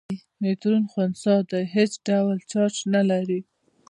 نیوټرون خنثی دی او هیڅ ډول چارچ نلري.